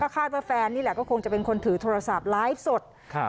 คาดว่าแฟนนี่แหละก็คงจะเป็นคนถือโทรศัพท์ไลฟ์สดครับ